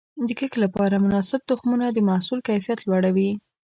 د کښت لپاره مناسب تخمونه د محصول کیفیت لوړوي.